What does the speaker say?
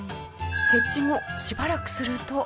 設置後しばらくすると。